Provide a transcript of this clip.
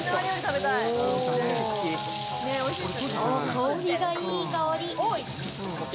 香りがいい香り。